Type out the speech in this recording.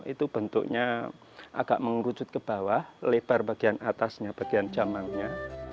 itu bentuknya agak mengerucut ke bawah lebar bagian atasnya bagian jamangnya